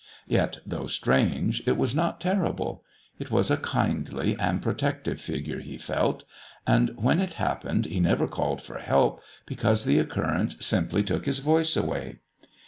Yet, though strange, it was not terrible. It was a kindly and protective figure, he felt. And when it happened he never called for help, because the occurrence simply took his voice away.